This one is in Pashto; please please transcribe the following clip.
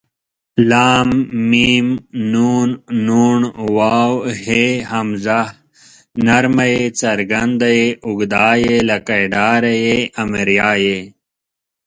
ل م ن ڼ و ه ء ی ي ې ۍ ئ